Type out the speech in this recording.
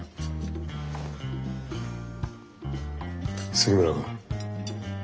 杉村君。